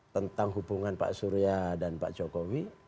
tentang hubungan pak surya dan pak jokowi